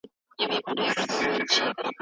آیا د لمر وړانګي د سپوږمۍ تر وړانګو تودې دي؟